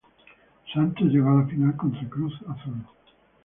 Santos llegó a la final contra Cruz Azul.